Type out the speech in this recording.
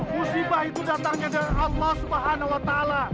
musibah itu datangnya dari allah swt